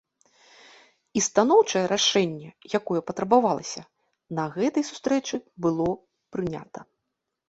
І станоўчае рашэнне, якое патрабавалася, на гэтай сустрэчы было прынята.